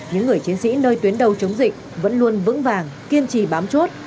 những người chiến sĩ nơi tuyến đầu chống dịch vẫn luôn vững vàng kiên trì bám chốt